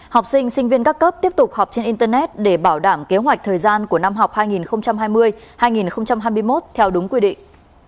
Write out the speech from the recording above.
học sinh sinh viên các cấp tiếp tục học trên internet để bảo đảm kế hoạch thời gian của năm học hai nghìn hai mươi hai nghìn hai mươi một theo đúng quy định